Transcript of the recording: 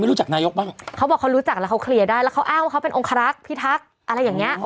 เพราะบางทีถึงทุกจิตขอบว่าเขารู้จักแล้วเขาเคลียร์ได้แล้วเขาว่าเขาเป็นองคารักพิทักอะไรอย่างนี้